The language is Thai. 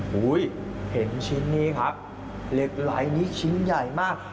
เห็นชิ้นนี้ครับเหล็กไหลนี้ชิ้นใหญ่มาก